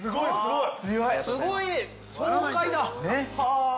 ◆すごい爽快だ。